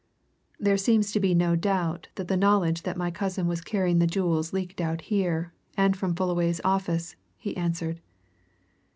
"There seems to be no doubt that the knowledge that my cousin was carrying the jewels leaked out here and from Fullaway's office," he answered.